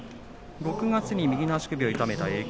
６月に右の足首を痛めました。